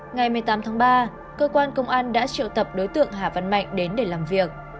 ngày một mươi tám tháng ba cơ quan công an đã triệu tập đối tượng hà văn mạnh đến để làm việc